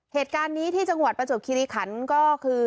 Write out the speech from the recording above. เหตุการณ์นี้ที่จังหวัดประจวบคิริขันก็คือ